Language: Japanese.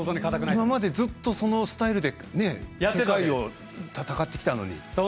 今までずっとそのスタイルで世界を戦ってきたのに。